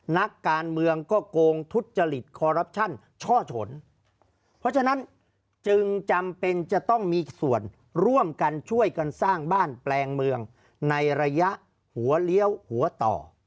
นักการเมืองก็โกงทุจริตคอรัปชั่นช่อฉนเพราะฉะนั้นจึงจำเป็นจะต้องมีส่วนร่วมกันช่วยกันสร้างบ้านแปลงเมืองในระยะหัวเลี้ยวหัวต่อ